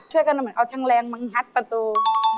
ช่วยกันเหมือนเอาช่างแรงมางัดประตู